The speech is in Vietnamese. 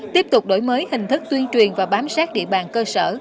tiếp tục đổi mới hình thức tuyên truyền và bám sát địa bàn cơ sở